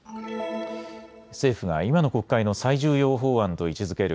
政府が今の国会の最重要法案と位置づける